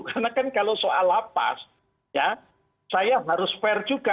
karena kan kalau soal lapas saya harus fair juga